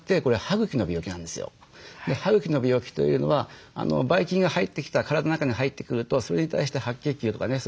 歯茎の病気というのはばい菌が入ってきた体の中に入ってくるとそれに対して白血球とかね